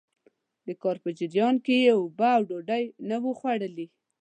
د کار په جريان کې يې اوبه او ډوډۍ نه وو خوړلي.